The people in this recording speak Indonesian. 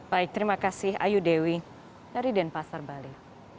baik terima kasih ayu dewi dari denpasar bali